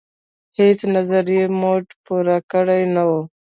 هیڅ نظري موډل یې پور کړې نه وه.